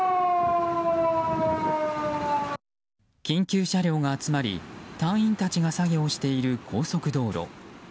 緊急車両が集まり隊員たちが作業をしている高速道路。